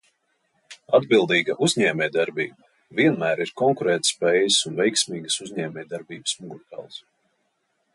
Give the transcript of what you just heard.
Atbildīga uzņēmējdarbība vienmēr ir konkurētspējas un veiksmīgas uzņēmējdarbības mugurkauls.